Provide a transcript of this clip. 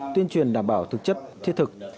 tuyên truyền đảm bảo thực chất thiết thực